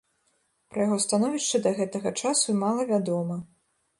Пра яго становішча да гэтага часу мала вядома.